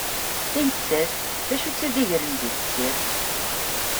I nettat, d acu i tt-id-igren di tessirt?